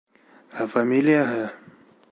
Ә фамилияһы...